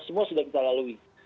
semua sudah kita lalui